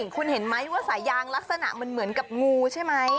คุณเห็นไหมว่าสายยางลักษณะมันเหมือนกับงูใช่ไหม